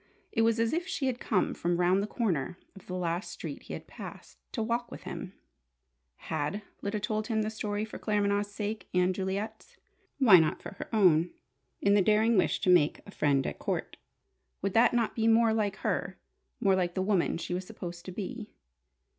It was as if she had come from round the corner of the last street he had passed, to walk with him. Had Lyda told him the story for Claremanagh's sake and Juliet's? Why not for her own in the daring wish to make a "friend at court?" Would that not be more like her more like the woman she was supposed to be?